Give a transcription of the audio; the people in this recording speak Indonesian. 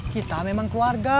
kita memang keluarga